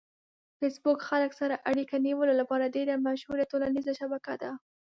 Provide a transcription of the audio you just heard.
فېسبوک خلک سره اړیکه نیولو لپاره ډېره مشهوره ټولنیزه شبکه ده.